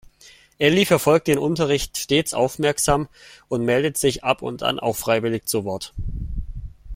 Elli verfolgt den Unterricht stets aufmerksam und meldet sich ab und an auch freiwillig zu Wort.